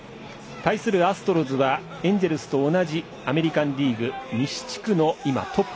対するアストロズはエンジェルスと同じアメリカンリーグ西地区トップ。